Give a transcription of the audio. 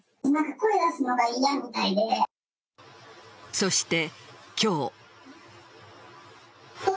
そして、今日。